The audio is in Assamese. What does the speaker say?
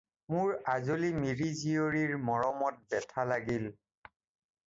মোৰ আজলী মিৰি-জীয়ৰীৰ মৰমত বেথা লাগিল।